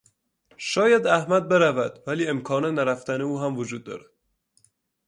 شاید احمد برود ولی امکان نرفتن او هم وجود دارد.